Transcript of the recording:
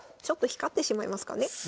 ちょっと光ってしまいますかね。